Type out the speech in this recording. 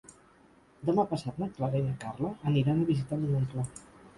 Demà passat na Clara i na Carla aniran a visitar mon oncle.